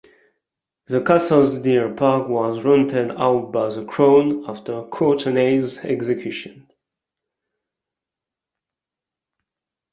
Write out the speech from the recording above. The castle's deer park was rented out by the Crown after Courtenay's execution.